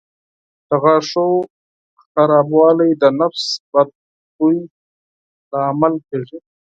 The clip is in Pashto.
د غاښونو خرابوالی د نفس بد بوی لامل کېږي.